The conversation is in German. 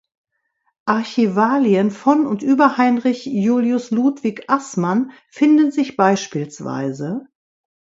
Archivalien von und über Heinrich Julius Ludwig Assmann finden sich beispielsweise